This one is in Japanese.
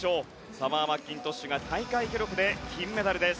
サマー・マッキントッシュが大会記録で金メダルです。